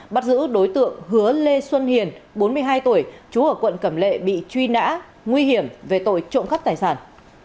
bắt giữ đối tượng hứa lê xuân hiền bốn mươi hai tuổi chú ở quận cẩm lệ bị truy nã nguy hiểm về tội trộm cắp tài sản